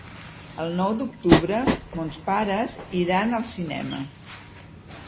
El nou d'octubre mons pares iran al cinema.